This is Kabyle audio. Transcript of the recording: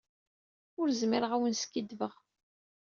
Ur zmireɣ ad awen-d-skiddbeɣ.